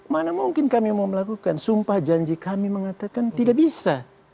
mana mungkin kami mau melakukan sumpah janji kami mengatakan tidak bisa